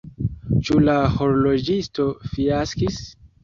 Ĉu la horloĝisto fiaskis?